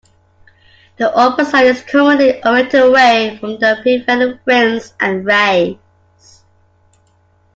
The open side is commonly oriented away from the prevailing winds and rains.